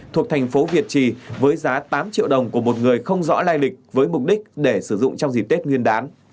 thuộc thành phố việt trì với giá tám triệu đồng của một người không rõ lai lịch với mục đích để sử dụng trong dịp tết nguyên đán